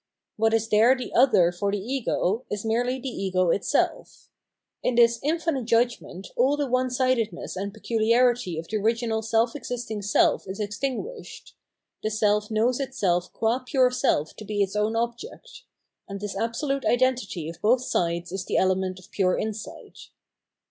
What is there the other for the ego is merely the ego itself. In this infinite judgment all the one sidedness and peculiarity of the original self existing self is extinguished; the self knows itself qua pure self to be its own object ; and this absolute identity of both sides is the element of pure insight.